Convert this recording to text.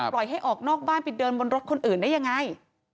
ให้ออกนอกบ้านไปเดินบนรถคนอื่นได้ยังไง